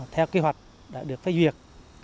theo kế hoạch đã được phát duyệt